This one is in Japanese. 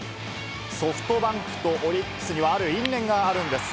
ソフトバンクとオリックスにはある因縁があるんです。